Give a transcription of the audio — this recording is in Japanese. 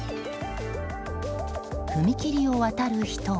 踏切を渡る人は。